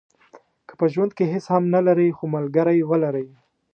که په ژوند کې هیڅ هم نه لرئ خو ملګری ولرئ.